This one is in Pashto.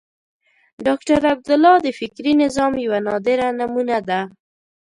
ډاکټر عبدالله د فکري نظام یوه نادره نمونه ده.